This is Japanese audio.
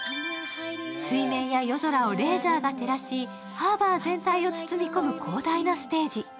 水面や夜空をレーザーが照らし、ハーバー全体を包み込む広大なステージ。